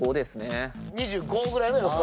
２５ぐらいの予想。